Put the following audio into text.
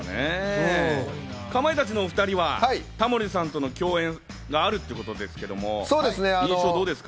かまいたちのお２人はタモリさんとの共演があるということですけど、印象はどうですか？